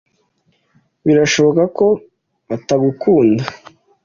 Birashoboka ko atagukunda.